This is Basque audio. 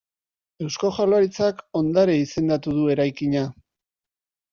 Eusko Jaurlaritzak ondare izendatu du eraikina.